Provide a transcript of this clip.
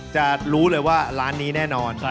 จะรู้เลยว่าร้านนี้แน่นอน